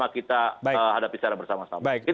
kita hadapi secara bersama sama